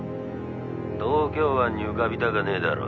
「東京湾に浮かびたかねえだろ。